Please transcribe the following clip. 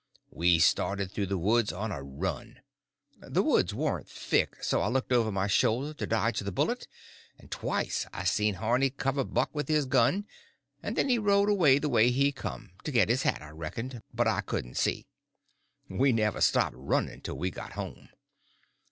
We started through the woods on a run. The woods warn't thick, so I looked over my shoulder to dodge the bullet, and twice I seen Harney cover Buck with his gun; and then he rode away the way he come—to get his hat, I reckon, but I couldn't see. We never stopped running till we got home.